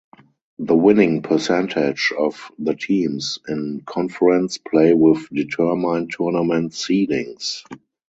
The winning percentage of the teams in conference play will determine tournament seedings.